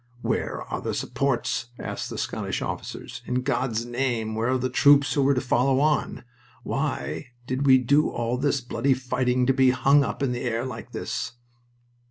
"Where are the supports?" asked the Scottish officers. "In God's name, where are the troops who were to follow on? Why did we do all this bloody fighting to be hung up in the air like this?"